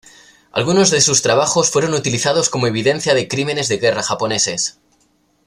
Algunos de sus trabajos fueron utilizados como evidencia de crímenes de guerra japoneses.